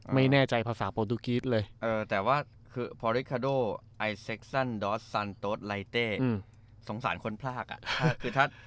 ไม่แน่ใจภาษาโปรตุกีศเลยเอ่อแต่ว่าคือคือสงสารคนพลากอ่ะคือถ้า